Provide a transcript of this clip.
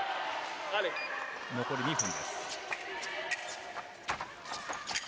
残り２分です。